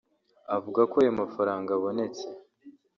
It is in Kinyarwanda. Avuga ko ayo mafaranga abonetse